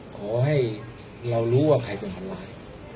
ขอให้เรารู้ว่าใครเป็นคนร้าย